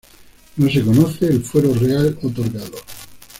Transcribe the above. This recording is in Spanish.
No se conoce el fuero real otorgado.